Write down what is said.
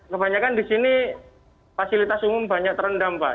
kebanyakan di sini fasilitas umum banyak terendam pak